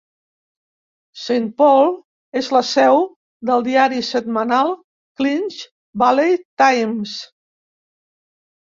Saint Paul és la seu del diari setmanal "Clinch Valley Times".